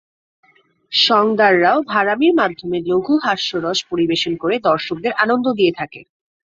সঙদাররাও ভাঁড়ামির মাধ্যমে লঘু হাস্যরস পরিবেশন করে দর্শকদের আনন্দ দিয়ে থাকে।